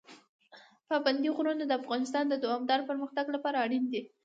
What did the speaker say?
پابندی غرونه د افغانستان د دوامداره پرمختګ لپاره اړین دي.